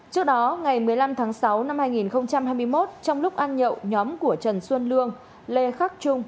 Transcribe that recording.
trước đó ngày một mươi năm tháng sáu năm hai nghìn hai mươi một trong lúc ăn nhậu nhóm của trần xuân lương lê khắc trung